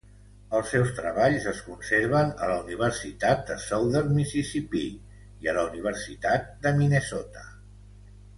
Els seus treballs es conserven a la Universitat de Southern Mississippi i a la Universitat de Minnesota.